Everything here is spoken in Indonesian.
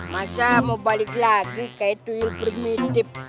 masa mau balik lagi kayak tunjuk permintip